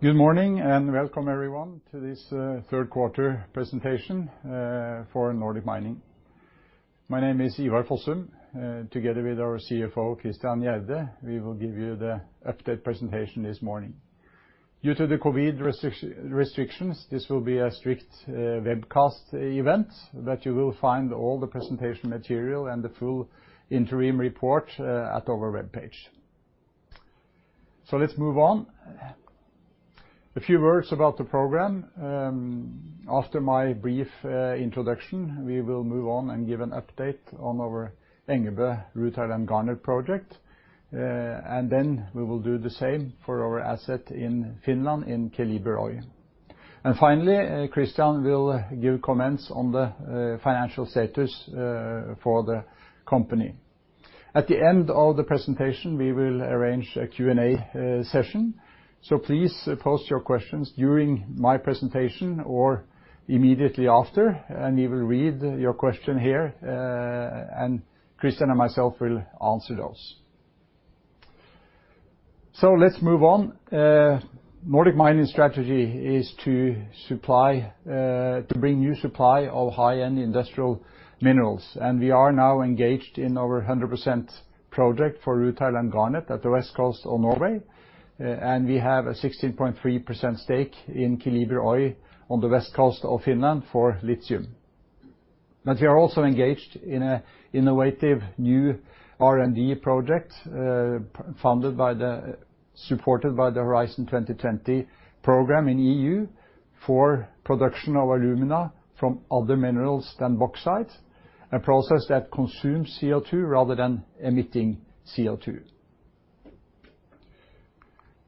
Good morning and welcome, everyone, to this third quarter presentation for Nordic Mining. My name is Ivar Fossum. Together with our CFO, Christian Gjerde, we will give you the update presentation this morning. Due to the COVID restrictions, this will be a strict webcast event, but you will find all the presentation material and the full interim report at our webpage. Let's move on. A few words about the program. After my brief introduction, we will move on and give an update on our Engebø rutile and garnet project. We will do the same for our asset in Finland, in Keliber. Finally, Christian will give comments on the financial status for the company. At the end of the presentation, we will arrange a Q&A session. Please post your questions during my presentation or immediately after, and we will read your question here, and Christian and myself will answer those. Let's move on. Nordic Mining strategy is to bring new supply of high-end industrial minerals. We are now engaged in our 100% project for rutile and garnet at the west coast of Norway. We have a 16.3% stake in Keliber on the west coast of Finland for lithium. We are also engaged in an innovative new R&D project supported by the Horizon 2020 program in the EU for production of alumina from other minerals than bauxite, a process that consumes CO2 rather than emitting CO2.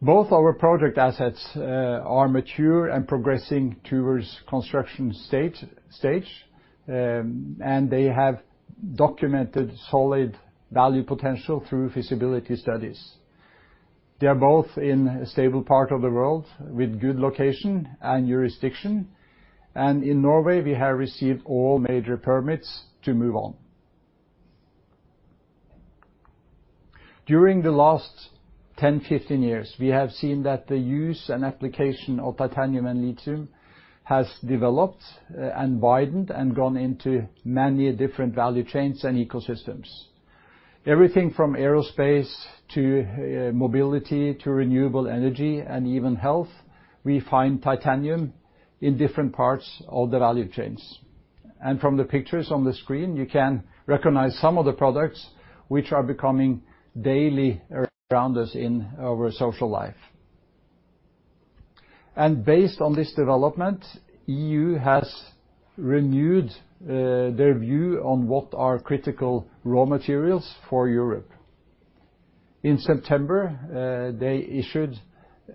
Both our project assets are mature and progressing towards construction stage, and they have documented solid value potential through feasibility studies. They are both in a stable part of the world with good location and jurisdiction. In Norway, we have received all major permits to move on. During the last 10-15 years, we have seen that the use and application of titanium and lithium has developed and widened and gone into many different value chains and ecosystems. Everything from aerospace to mobility to renewable energy and even health, we find titanium in different parts of the value chains. From the pictures on the screen, you can recognize some of the products which are becoming daily around us in our social life. Based on this development, the EU has renewed their view on what are critical raw materials for Europe. In September, they issued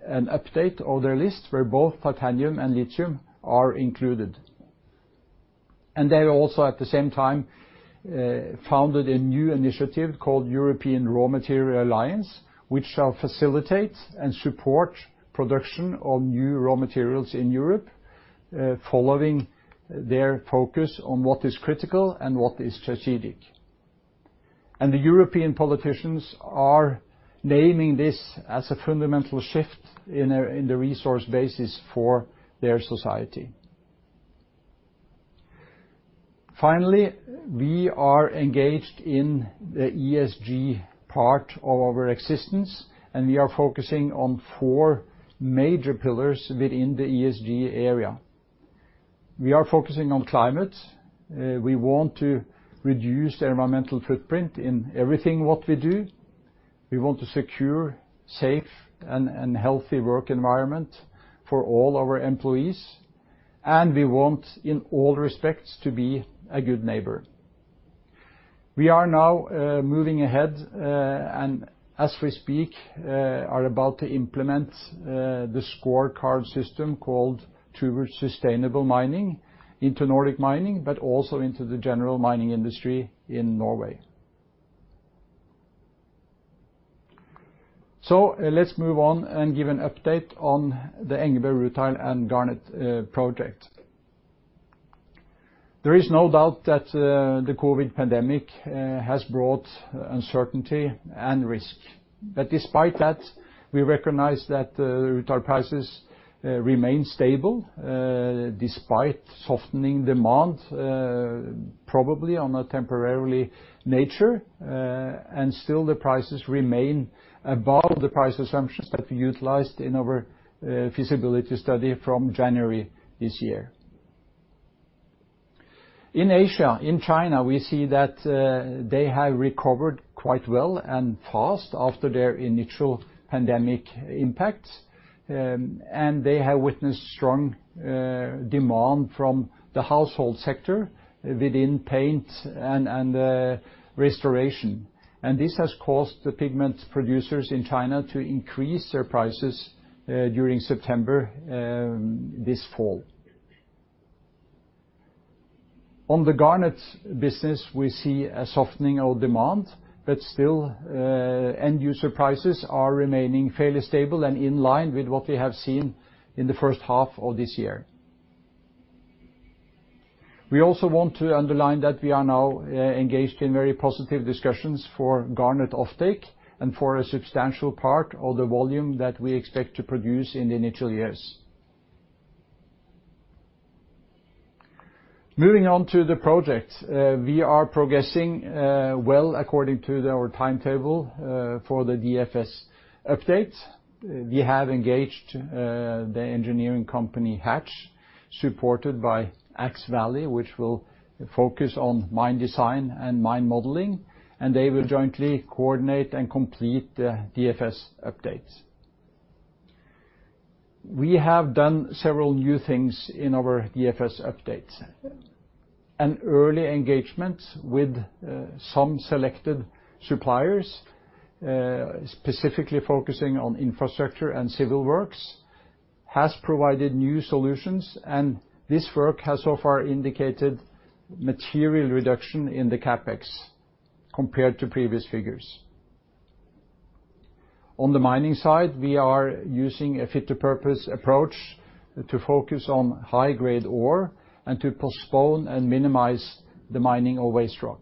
an update of their list where both titanium and lithium are included. They also at the same time founded a new initiative called European Raw Materials Alliance, which shall facilitate and support the production of new raw materials in Europe, following their focus on what is critical and what is strategic. The European politicians are naming this as a fundamental shift in the resource basis for their society. Finally, we are engaged in the ESG part of our existence, and we are focusing on four major pillars within the ESG area. We are focusing on climate. We want to reduce the environmental footprint in everything we do. We want to secure a safe and healthy work environment for all our employees. We want, in all respects, to be a good neighbor. We are now moving ahead and, as we speak, are about to implement the scorecard system called Towards Sustainable Mining into Nordic Mining, but also into the general mining industry in Norway. Let's move on and give an update on the Engebø rutile and garnet project. There is no doubt that the COVID pandemic has brought uncertainty and risk. Despite that, we recognize that the rutile prices remain stable despite softening demand, probably of a temporary nature. Still, the prices remain above the price assumptions that we utilized in our feasibility study from January this year. In Asia, in China, we see that they have recovered quite well and fast after their initial pandemic impacts. They have witnessed strong demand from the household sector within paint and restoration. This has caused the pigment producers in China to increase their prices during September this fall. On the garnet business, we see a softening of demand, but still, end user prices are remaining fairly stable and in line with what we have seen in the first half of this year. We also want to underline that we are now engaged in very positive discussions for garnet offtake and for a substantial part of the volume that we expect to produce in the initial years. Moving on to the project, we are progressing well according to our timetable for the DFS update. We have engaged the engineering company Hatch, supported by Axvalley, which will focus on mine design and mine modeling. They will jointly coordinate and complete the DFS updates. We have done several new things in our DFS updates. An early engagement with some selected suppliers, specifically focusing on infrastructure and civil works, has provided new solutions. This work has so far indicated material reduction in the CapEx compared to previous figures. On the mining side, we are using a fit-to-purpose approach to focus on high-grade ore and to postpone and minimize the mining ore waste rock.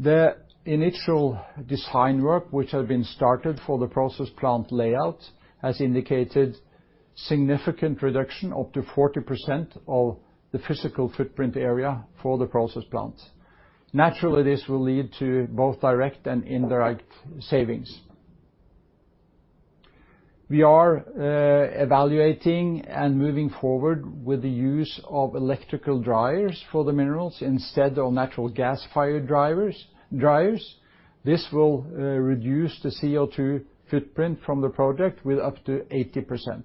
The initial design work, which has been started for the process plant layout, has indicated a significant reduction of up to 40% of the physical footprint area for the process plant. Naturally, this will lead to both direct and indirect savings. We are evaluating and moving forward with the use of electrical drivers for the minerals instead of natural gas-fired drivers. This will reduce the CO2 footprint from the project with up to 80%.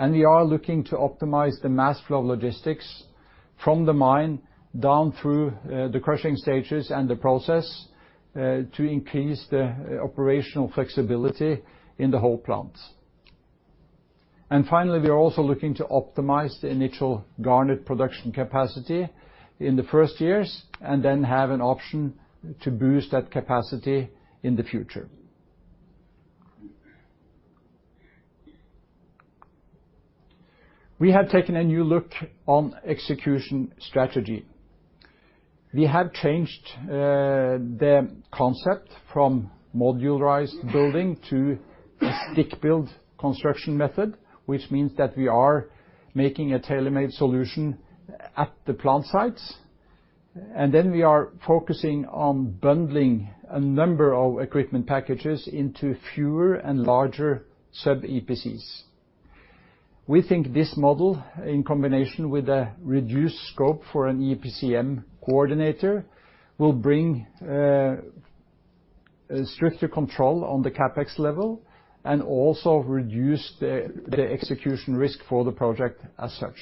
We are looking to optimize the mass flow of logistics from the mine down through the crushing stages and the process to increase the operational flexibility in the whole plant. Finally, we are also looking to optimize the initial garnet production capacity in the first years and then have an option to boost that capacity in the future. We have taken a new look on execution strategy. We have changed the concept from modularized building to a stick-build construction method, which means that we are making a tailor-made solution at the plant sites. We are focusing on bundling a number of equipment packages into fewer and larger sub-EPCs. We think this model, in combination with a reduced scope for an EPCM coordinator, will bring stricter control on the CapEx level and also reduce the execution risk for the project as such.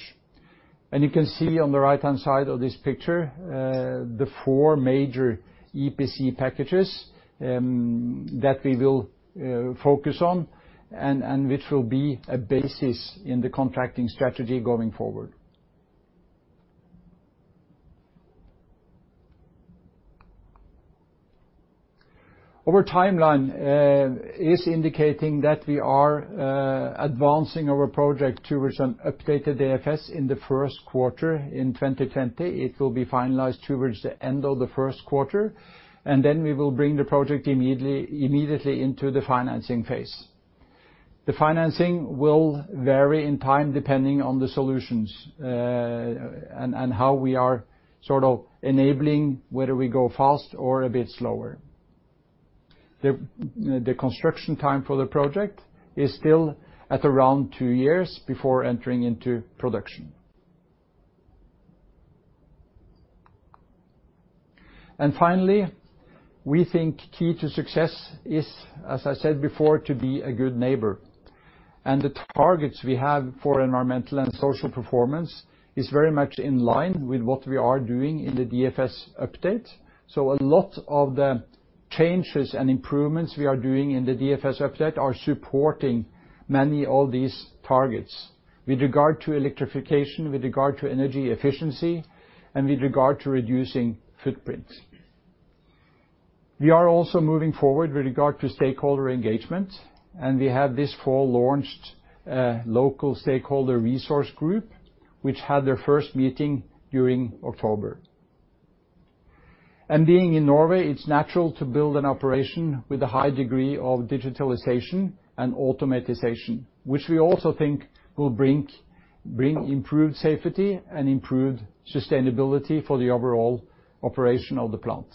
You can see on the right-hand side of this picture the four major EPC packages that we will focus on and which will be a basis in the contracting strategy going forward. Our timeline is indicating that we are advancing our project towards an updated DFS in the first quarter in 2020. It will be finalized towards the end of the first quarter. We will bring the project immediately into the financing phase. The financing will vary in time depending on the solutions and how we are sort of enabling whether we go fast or a bit slower. The construction time for the project is still at around two years before entering into production. Finally, we think key to success is, as I said before, to be a good neighbor. The targets we have for environmental and social performance are very much in line with what we are doing in the DFS update. A lot of the changes and improvements we are doing in the DFS update are supporting many of these targets with regard to electrification, with regard to energy efficiency, and with regard to reducing footprint. We are also moving forward with regard to stakeholder engagement. We have this fall launched a local stakeholder resource group, which had their first meeting during October. Being in Norway, it is natural to build an operation with a high degree of digitalization and automatization, which we also think will bring improved safety and improved sustainability for the overall operation of the plant.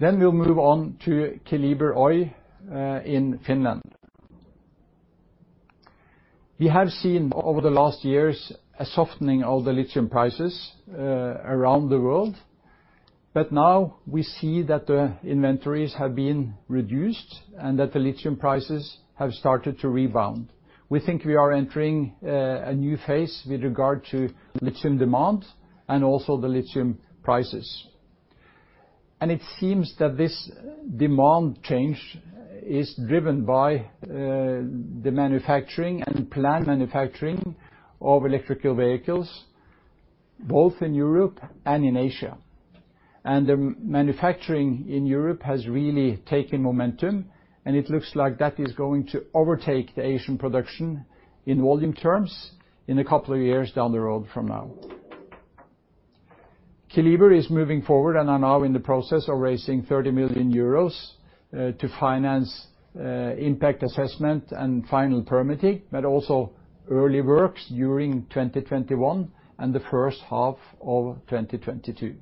We will move on to Keliber in Finland. We have seen over the last years a softening of the lithium prices around the world. Now we see that the inventories have been reduced and that the lithium prices have started to rebound. We think we are entering a new phase with regard to lithium demand and also the lithium prices. It seems that this demand change is driven by the manufacturing and planned manufacturing of electrical vehicles, both in Europe and in Asia. The manufacturing in Europe has really taken momentum. It looks like that is going to overtake the Asian production in volume terms in a couple of years down the road from now. Keliber is moving forward and are now in the process of raising 30 million euros to finance impact assessment and final permitting, but also early works during 2021 and the first half of 2022.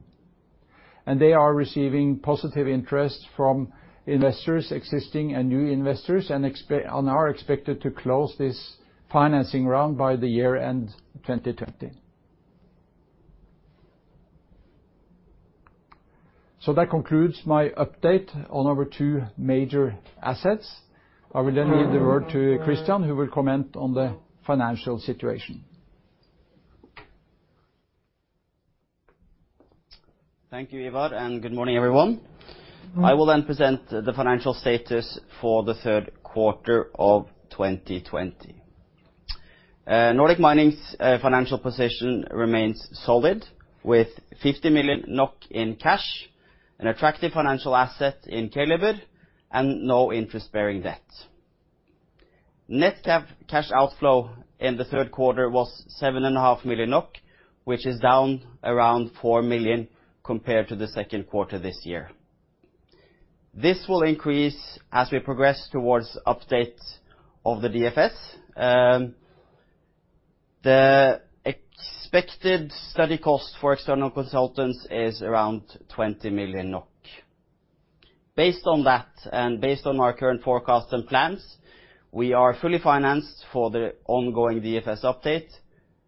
They are receiving positive interest from investors, existing and new investors, and are expected to close this financing round by the year-end 2020. That concludes my update on our two major assets. I will then give the word to Christian, who will comment on the financial situation. Thank you, Ivar. And good morning, everyone. I will then present the financial status for the third quarter of 2020. Nordic Mining's financial position remains solid with 50 million NOK in cash, an attractive financial asset in Keliber, and no interest-bearing debt. Net cash outflow in the third quarter was 7.5 million NOK, which is down around 4 million compared to the second quarter this year. This will increase as we progress towards updates of the DFS. The expected study cost for external consultants is around 20 million NOK. Based on that and based on our current forecasts and plans, we are fully financed for the ongoing DFS update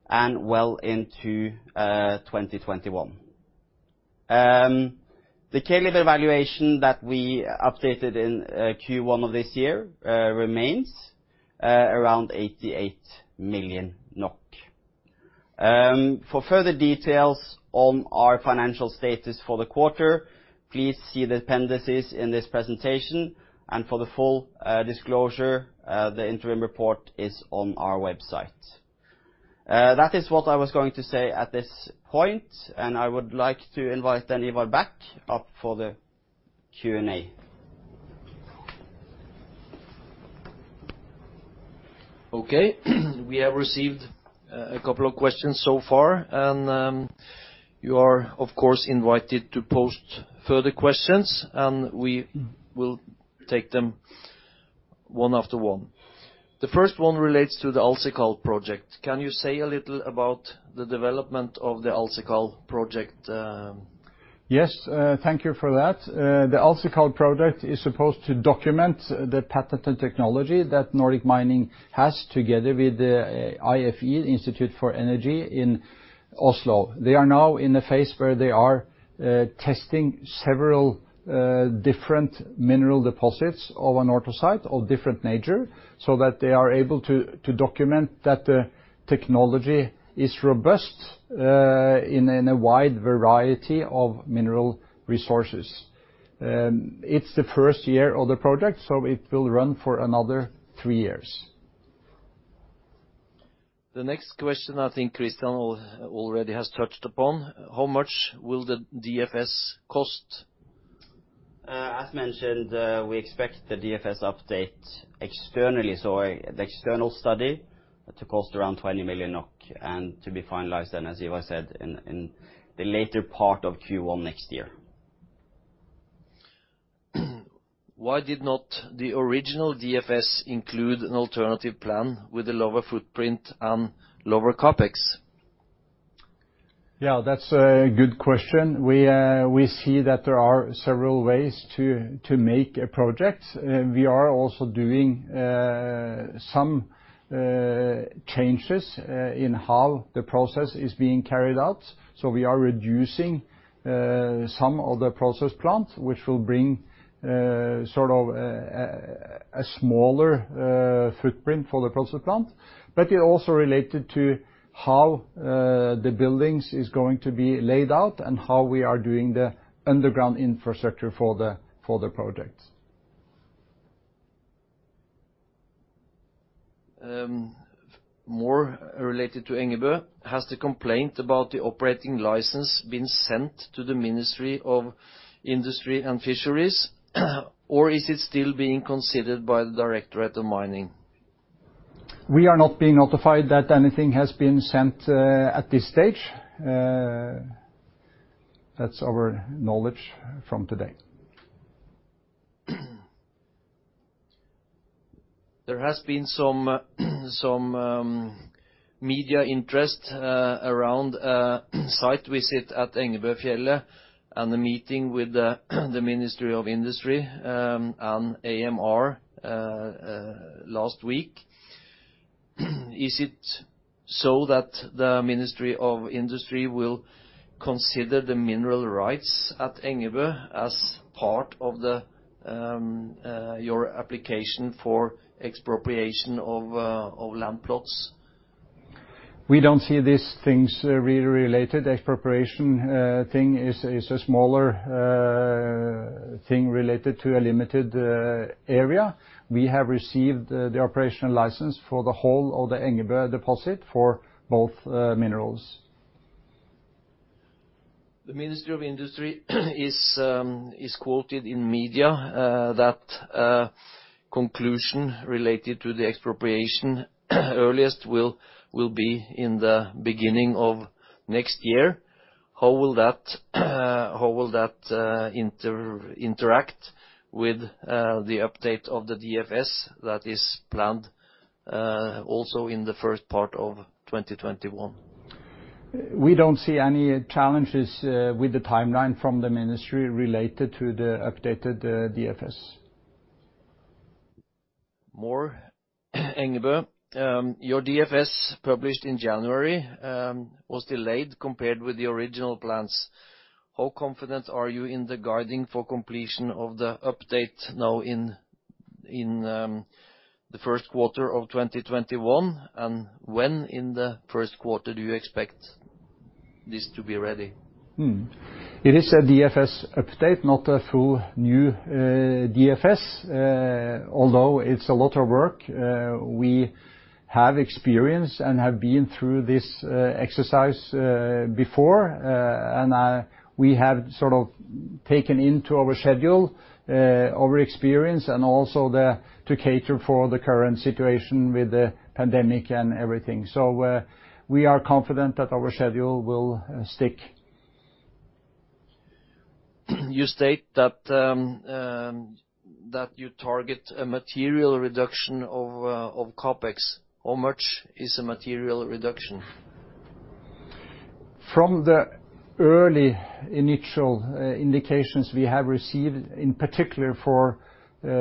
and well into 2021. The Keliber valuation that we updated in Q1 of this year remains around 88 million NOK. For further details on our financial status for the quarter, please see the appendices in this presentation. For the full disclosure, the interim report is on our website. That is what I was going to say at this point. I would like to invite Ivar back up for the Q&A. Okay. We have received a couple of questions so far. You are, of course, invited to post further questions. We will take them one after one. The first one relates to the AlseKal project. Can you say a little about the development of the AlseKal project? Yes. Thank you for that. The AlseKal project is supposed to document the patented technology that Nordic Mining has together with IFE, the Institute for Energy Technology in Oslo. They are now in a phase where they are testing several different mineral deposits of anorthosite of different nature so that they are able to document that the technology is robust in a wide variety of mineral resources. It's the first year of the project, so it will run for another three years. The next question, I think Christian already has touched upon. How much will the DFS cost? As mentioned, we expect the DFS update externally, so the external study to cost around 20 million NOK and to be finalized then, as Ivar said, in the later part of Q1 next year. Why did not the original DFS include an alternative plan with a lower footprint and lower CapEx? Yeah, that's a good question. We see that there are several ways to make a project. We are also doing some changes in how the process is being carried out. We are reducing some of the process plant, which will bring sort of a smaller footprint for the process plant. It is also related to how the buildings are going to be laid out and how we are doing the underground infrastructure for the project. More related to Engebø, has the complaint about the operating license been sent to the Ministry of Industry and Fisheries, or is it still being considered by the Directorate of Mining? We are not being notified that anything has been sent at this stage. That is our knowledge from today. There has been some media interest around a site visit at Engebøfjellet and a meeting with the Ministry of Industry and AMR last week. Is it so that the Ministry of Industry will consider the mineral rights at Engebø as part of your application for expropriation of land plots? We don't see these things really related. Expropriation thing is a smaller thing related to a limited area. We have received the operational license for the whole of the Engebø deposit for both minerals. The Ministry of Industry is quoted in media that conclusion related to the expropriation earliest will be in the beginning of next year. How will that interact with the update of the DFS that is planned also in the first part of 2021? We don't see any challenges with the timeline from the Ministry related to the updated DFS. More, Engebø. Your DFS published in January was delayed compared with the original plans. How confident are you in the guiding for completion of the update now in the first quarter of 2021? And when in the first quarter do you expect this to be ready? It is a DFS update, not a full new DFS, although it's a lot of work. We have experience and have been through this exercise before. We have sort of taken into our schedule our experience and also to cater for the current situation with the pandemic and everything. We are confident that our schedule will stick. You state that you target a material reduction of CapEx. How much is a material reduction? From the early initial indications we have received, in particular for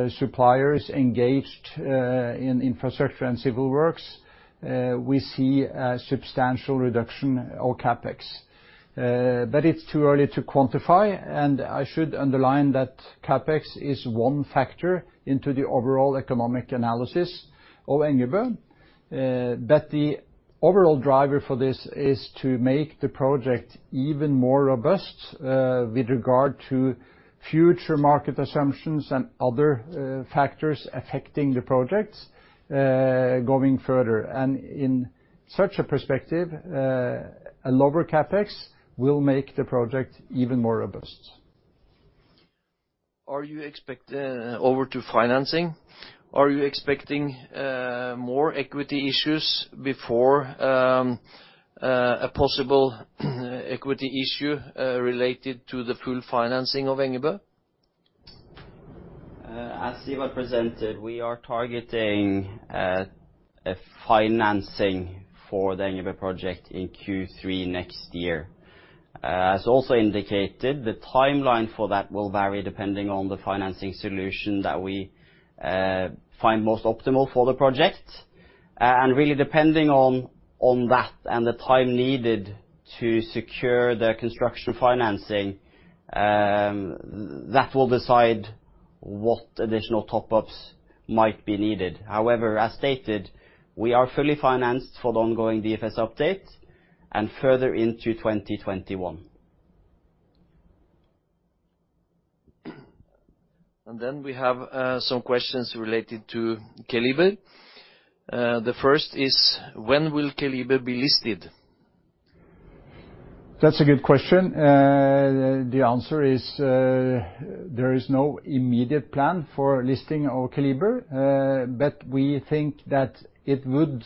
suppliers engaged in infrastructure and civil works, we see a substantial reduction of CapEx. It is too early to quantify. I should underline that CapEx is one factor into the overall economic analysis of Engebø. The overall driver for this is to make the project even more robust with regard to future market assumptions and other factors affecting the projects going further. In such a perspective, a lower CapEx will make the project even more robust. Over to financing. Are you expecting more equity issues before a possible equity issue related to the full financing of Engebø? As Ivar presented, we are targeting a financing for the Engebø project in Q3 next year. As also indicated, the timeline for that will vary depending on the financing solution that we find most optimal for the project. Really depending on that and the time needed to secure the construction financing, that will decide what additional top-ups might be needed. However, as stated, we are fully financed for the ongoing DFS update and further into 2021. We have some questions related to Keliber. The first is, when will Keliber be listed? That's a good question. The answer is there is no immediate plan for listing of Keliber. We think that it would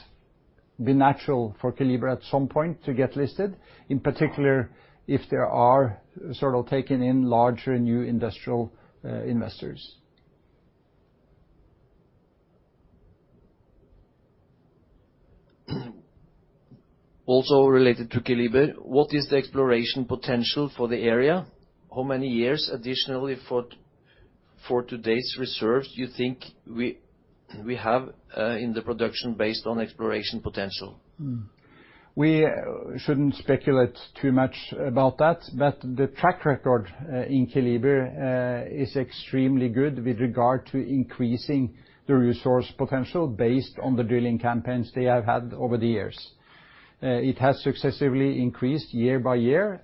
be natural for Keliber at some point to get listed, in particular if there are sort of taken in larger new industrial investors. Also related to Keliber, what is the exploration potential for the area? How many years additionally for today's reserves do you think we have in the production based on exploration potential? We shouldn't speculate too much about that. The track record in Keliber is extremely good with regard to increasing the resource potential based on the drilling campaigns they have had over the years. It has successively increased year by year.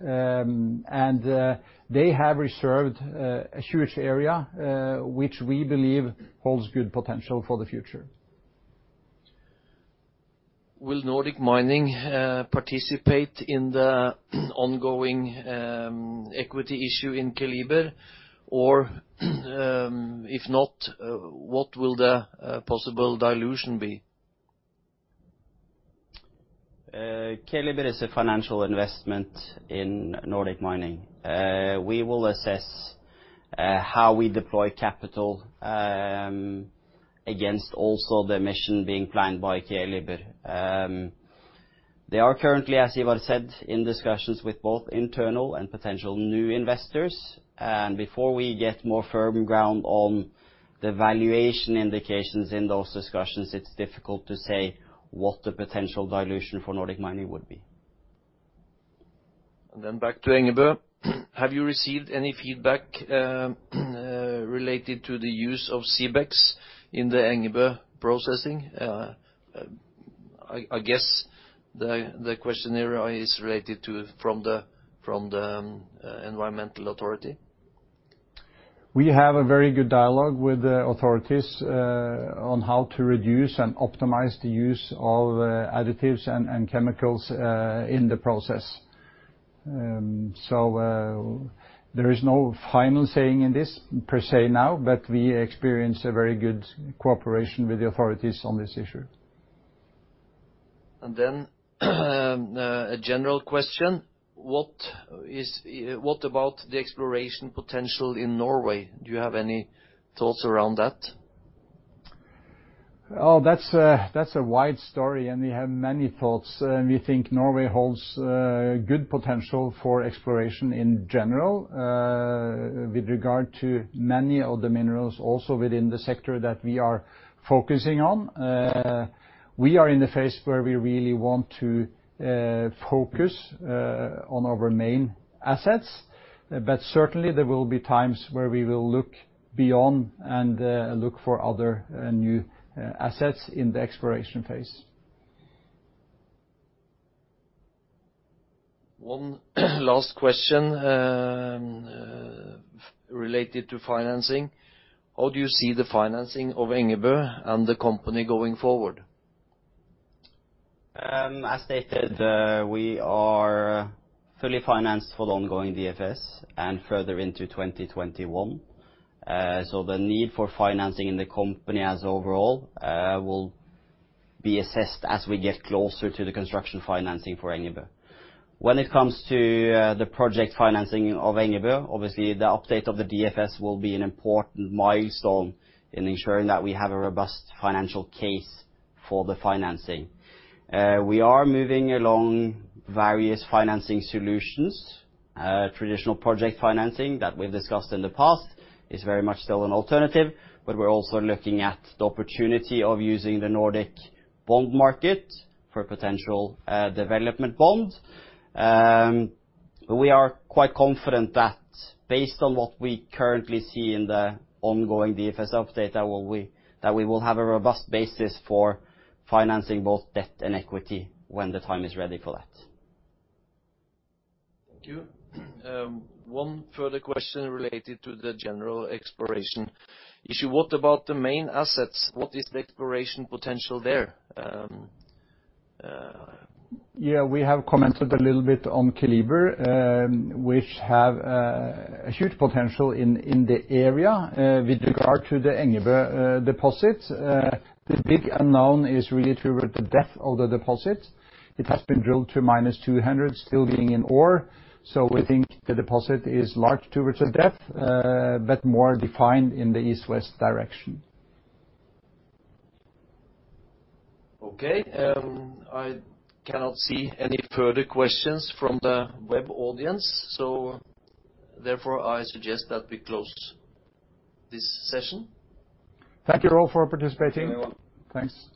They have reserved a huge area, which we believe holds good potential for the future. Will Nordic Mining participate in the ongoing equity issue in Keliber? If not, what will the possible dilution be? Keliber is a financial investment in Nordic Mining. We will assess how we deploy capital against also the mission being planned by Keliber. They are currently, as Ivar said, in discussions with both internal and potential new investors. Before we get more firm ground on the valuation indications in those discussions, it's difficult to say what the potential dilution for Nordic Mining would be. Back to Engebø. Have you received any feedback related to the use of CBEX in the Engebø processing? I guess the questionnaire is related to from the Environmental Authority. We have a very good dialogue with the authorities on how to reduce and optimize the use of additives and chemicals in the process. There is no final saying in this per se now, but we experience a very good cooperation with the authorities on this issue. A general question: What about the exploration potential in Norway? Do you have any thoughts around that? Oh, that's a wide story. We have many thoughts. We think Norway holds good potential for exploration in general with regard to many of the minerals also within the sector that we are focusing on. We are in the phase where we really want to focus on our main assets. Certainly, there will be times where we will look beyond and look for other new assets in the exploration phase. One last question related to financing. How do you see the financing of Engebø and the company going forward? As stated, we are fully financed for the ongoing DFS and further into 2021. The need for financing in the company as overall will be assessed as we get closer to the construction financing for Engebø. When it comes to the project financing of Engebø, obviously, the update of the DFS will be an important milestone in ensuring that we have a robust financial case for the financing. We are moving along various financing solutions. Traditional project financing that we've discussed in the past is very much still an alternative. We are also looking at the opportunity of using the Nordic bond market for potential development bond. We are quite confident that based on what we currently see in the ongoing DFS update, that we will have a robust basis for financing both debt and equity when the time is ready for that. Thank you. One further question related to the general exploration issue. What about the main assets? What is the exploration potential there? Yeah, we have commented a little bit on Keliber, which have a huge potential in the area. With regard to the Engebø deposit, the big unknown is really towards the depth of the deposit. It has been drilled to minus 200, still being in ore. We think the deposit is large towards the depth, but more defined in the east-west direction. Okay. I cannot see any further questions from the web audience. Therefore, I suggest that we close this session. Thank you all for participating. Thanks.